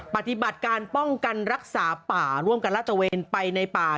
ปฏิบัติการป้องกันรักษาป่าร่วมกันราชเวนไปในป่า